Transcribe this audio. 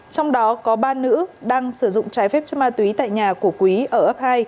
trong đó có ba nữ đang sử dụng trái phép chất ma túy tại nhà của quý ở ấp hai